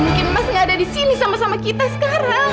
mungkin mas tidak ada disini sama sama kita sekarang